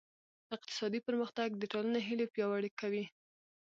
اقتصادي پرمختګ د ټولنې هیلې پیاوړې کوي.